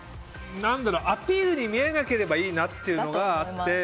アピールに見えなければいいなというのがあって。